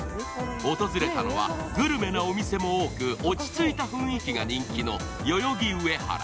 訪れたのはグルメなお見せも多く落ち着いた雰囲気が人気の代々木上原。